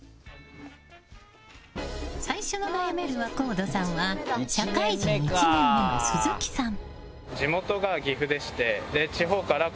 最初の悩める若人さんは社会人１年目の鈴木さん。